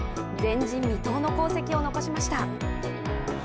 前人未到の功績を残しました。